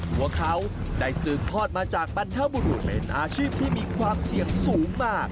ว่าเขาได้ซื้อพล็อตมาจากปันธบุรุมเป็นอาชีพที่มีความเสี่ยงสูงมาก